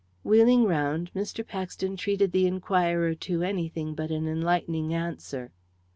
Wheeling round, Mr. Paxton treated the inquirer to anything but an enlightening answer.